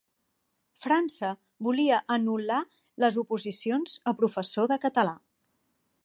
França volia anul·lar les oposicions a professor de català